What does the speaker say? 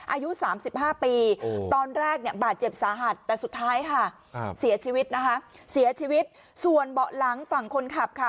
อายุ๓๕ปีตอนแรกเนี่ยบาดเจ็บสาหัสแต่สุดท้ายค่ะเสียชีวิตนะคะเสียชีวิตส่วนเบาะหลังฝั่งคนขับค่ะ